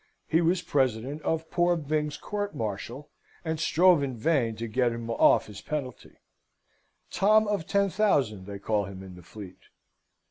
He was president of poor Byng's court martial, and strove in vain to get him off his penalty; Tom of Ten Thousand they call him in the fleet.